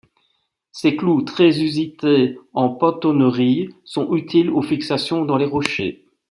Ces clous, très usités en pontonnerie, sont utiles aux fixations dans les rochers.